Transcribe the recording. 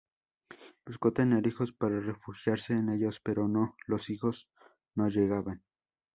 Buscó tener hijos para refugiarse en ellos pero no, los hijos no llegaban.